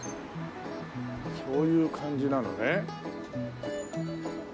そういう感じなのね。